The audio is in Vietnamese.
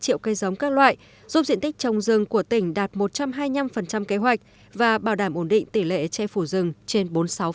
ba triệu cây giống các loại giúp diện tích trồng rừng của tỉnh đạt một trăm hai mươi năm kế hoạch và bảo đảm ổn định tỷ lệ che phủ rừng trên bốn mươi sáu